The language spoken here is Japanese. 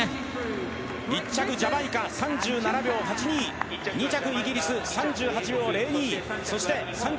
１着ジャマイカ３７秒８２、２着イギリス３８秒０２、３着